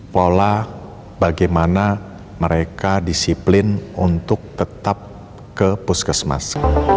pola bagaimana mereka disiplin untuk tetap ke puskesmas